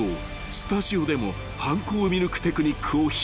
［スタジオでも犯行を見抜くテクニックを披露］